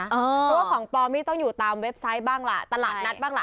เพราะว่าของปลอมนี่ต้องอยู่ตามเว็บไซต์บ้างล่ะตลาดนัดบ้างล่ะ